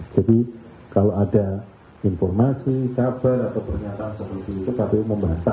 jadi kalau ada informasi kabar atau pernyataan seperti itu